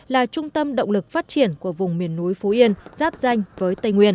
là trung tâm động lực phát triển của vùng miền núi phú yên giáp danh với tây nguyên